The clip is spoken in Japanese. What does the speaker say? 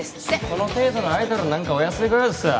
この程度のアイドルなんかお安いご用ですわ。